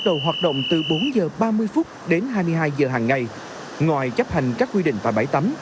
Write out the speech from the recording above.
đầu hoạt động từ bốn giờ ba mươi phút đến hai mươi hai giờ hàng ngày ngoài chấp hành các quy định và bãi tắm